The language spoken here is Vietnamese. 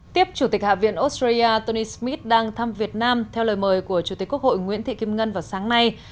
tiếp chủ tịch hạ viện australia tony smith đang thăm việt nam theo lời mời của chủ tịch quốc hội nguyễn thị kim ngân vào sáng nay